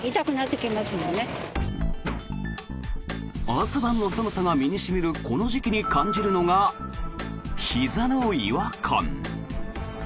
朝晩の寒さが身に染みるこの時期に感じるのがひざの違和感。